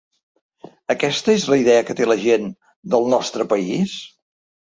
Aquesta és la idea que té la gent del nostre país?